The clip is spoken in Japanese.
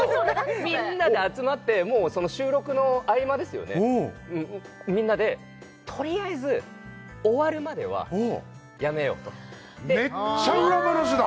みんなで集まってもう収録の合間ですよねうんみんなで「とりあえず終わるまではやめよう」とめっちゃ裏話だ！